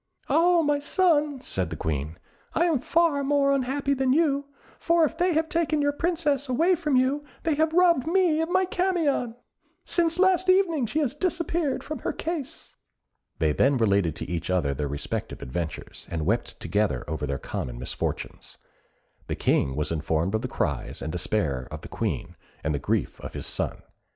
"Ah, my son," said the Queen, "I am far more unhappy than you, for if they have taken your Princess away from you, they have robbed me of my Camion. Since last evening, she has disappeared from her case!" They then related to each other their respective adventures, and wept together over their common misfortunes. The King was informed of the cries and despair of the Queen, and the grief of his son.